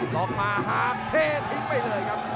ล็อกมาหาเททิ้งไปเลยครับ